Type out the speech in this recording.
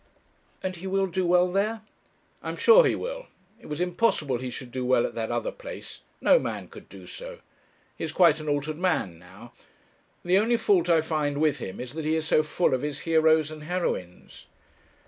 'And he will do well there?' 'I am sure he will. It was impossible he should do well at that other place. No man could do so. He is quite an altered man now. The only fault I find with him is that he is so full of his heroes and heroines.'